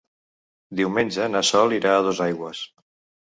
Diumenge na Sol irà a Dosaigües.